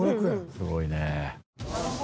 すごいね。